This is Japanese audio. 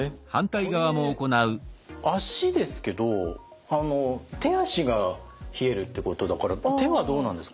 これ足ですけど手足が冷えるってことだから手はどうなんですか？